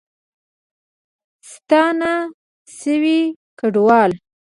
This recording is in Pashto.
ستانه شوي کډوال